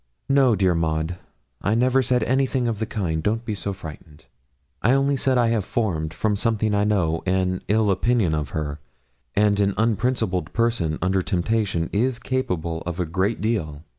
'No, dear Maud, I never said anything of the kind; don't be so frightened: I only said I have formed, from something I know, an ill opinion of her; and an unprincipled person, under temptation, is capable of a great deal.